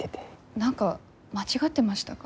何か間違ってましたか？